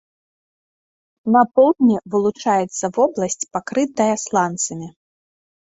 На поўдні вылучаецца вобласць, пакрытая сланцамі.